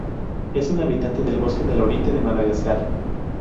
Es un habitante del bosque del oriente de Madagascar.